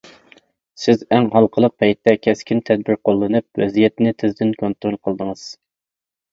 سىز ئەڭ ھالقىلىق پەيتتە كەسكىن تەدبىر قوللىنىپ، ۋەزىيەتنى تېزدىن كونترول قىلدىڭىز.